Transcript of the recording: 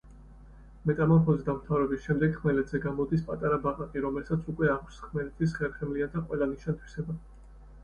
მეტამორფოზის დამთავრების შემდეგ ხმელეთზე გამოდის პატარა ბაყაყი, რომელსაც უკვე აქვს ხმელეთის ხერხემლიანთა ყველა ნიშან-თვისება.